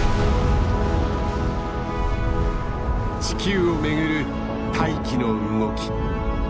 地球を巡る大気の動き。